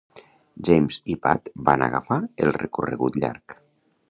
James i Pat van agafar el recorregut llarg.